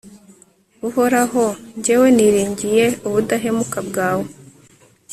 uhoraho, jyewe niringiye ubudahemuka bwawe